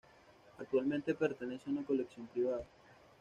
Actualmente pertenece a una colección privada.